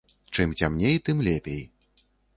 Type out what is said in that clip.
Чым цямней, тым лепей.